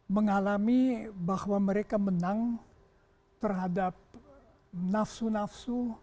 mengalami bahwa mereka menang terhadap nafsu nafsu